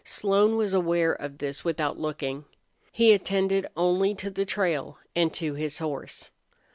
Slone was aware of this without looking. He attended only to the trail and to his horse.